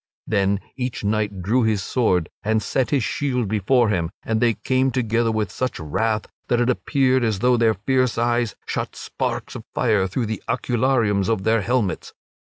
Then each knight drew his sword and set his shield before him and they came together with such wrath that it appeared as though their fierce eyes shot sparks of fire through the oculariums of their helmets.